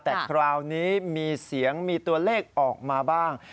แต่คราวนี้มีเสียงมีตัวเลขออกมาบ้าง